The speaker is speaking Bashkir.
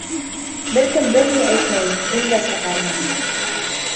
Бер кем бер ни әйтмәй, өн дә сығармай.